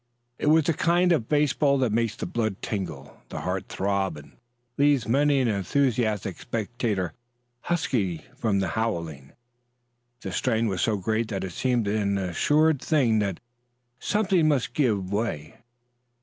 It was the kind of baseball that makes the blood tingle, the heart throb, and leaves many an enthusiastic spectator husky from howling. The strain was so great that it seemed an assured thing that something must give way.